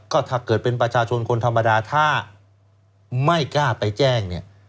ก็ถ้าเกิดเป็นประชาชนคนธรรมดาถ้าไม่กล้าไปแจ้งเนี่ย